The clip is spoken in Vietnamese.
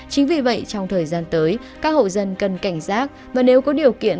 chính vì vậy trong thời gian tới các hộ dân cần cảnh giác và nếu có điều kiện